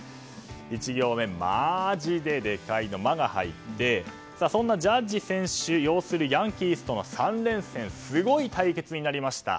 １行目、マジでデカいの「マ」が入ってそんなジャッジ選手擁するヤンキースとの３連戦すごい対決になりました。